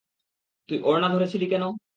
তুই ওড়না ধরেছিলি কেন?